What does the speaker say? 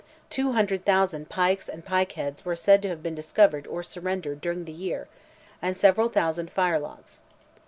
Two hundred thousand pikes and pike heads were said to have been discovered or surrendered during the year, and several thousand firelocks.